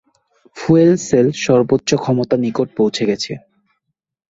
Fuel cell সর্বোচ্চ ক্ষমতার নিকট পৌঁছে গেছে।